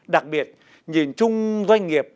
đặc biệt nhìn chung doanh nghiệp